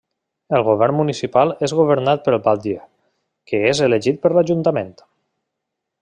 El govern municipal és governat pel batlle, que és elegit per l'Ajuntament.